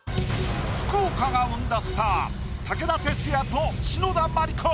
福岡が生んだスター武田鉄矢と篠田麻里子。